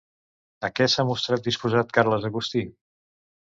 A què s'ha mostrat disposat Carles Agustí?